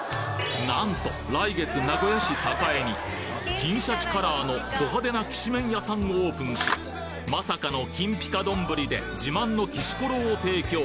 なんと来月名古屋市栄に銀鯱カラーのド派手なきしめん屋さんをオープンしまさかの金ピカどんぶりで自慢のきしころを提供